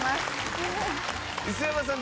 磯山さん